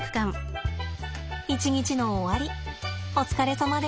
一日の終わりお疲れさまです。